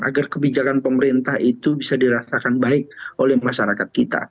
agar kebijakan pemerintah itu bisa dirasakan baik oleh masyarakat kita